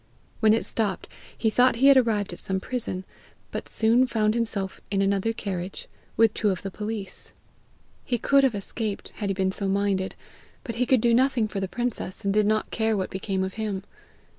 When it stopped, he thought he had arrived at some prison, but soon found himself in another carriage, with two of the police. He could have escaped had he been so minded, but he could do nothing for the princess, and did not care what became of him.